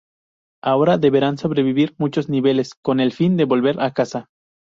Ahora deberán sobrevivir muchos niveles con el fin de volver a casa.